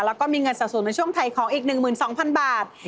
แล้วก็มีเงินสะสมในช่วงถ่ายของอีก๑๒๐๐๐บาท